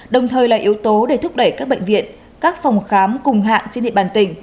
đồng thời là yếu tố để thúc đẩy các bệnh viện các phòng khám cùng hạng trên địa bàn tỉnh